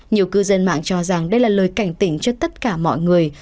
nhiều cư dân mạng cho rằng đây là lời cảnh tỉnh cho tất cả mọi người